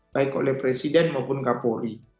baik oleh presiden maupun kapolri